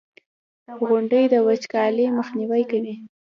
• غونډۍ د وچکالۍ مخنیوی کوي.